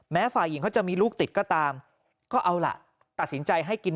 ฝ่ายหญิงเขาจะมีลูกติดก็ตามก็เอาล่ะตัดสินใจให้กิน